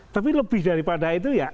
tapi lebih daripada itu ya